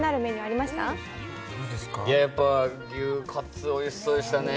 やっぱ牛カツおいしそうでしたね。